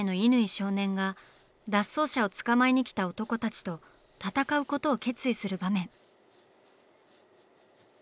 少年が脱走者を捕まえにきた男たちと闘うことを決意する場面。